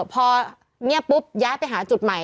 พอเงียบปุ๊บย้ายไปหาจุดใหม่